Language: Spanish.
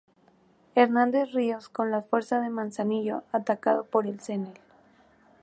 Hernández Ríos con las fuerzas de Manzanillo, atacado por el Cnel.